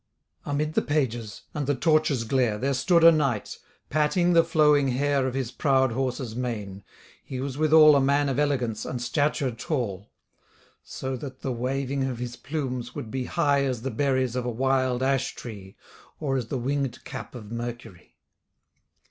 Amid the pages, and the torches' glare, There stood a knight, patting the flowing hair Of his proud horse's mane: he was withal A man of elegance, and stature tall: So that the waving of his plumes would be High as the berries of a wild ash tree, Or as the winged cap of Mercury.